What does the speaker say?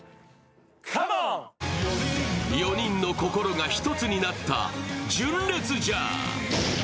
４人の心が１つになった純烈ジャー。